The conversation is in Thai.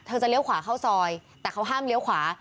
จะเลี้ยวขวาเข้าซอยแต่เขาห้ามเลี้ยวขวา